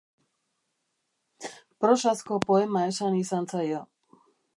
Prosazko poema esan izan zaio.